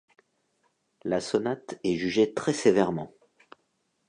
La sonate est jugée très sévèrement.